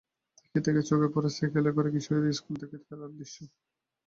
থেকে থেকেই চোখে পড়ে, সাইকেলে করে কিশোরীদের স্কুল থেকে ফেরার দৃশ্য।